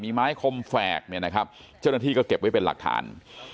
มีไม้คมแฝกเนี่ยนะครับเจ้าหน้าที่ก็เก็บไว้เป็นหลักฐาน